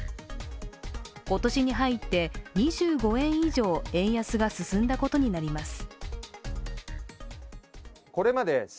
今年に入って２５円以上円安が進んだことになります。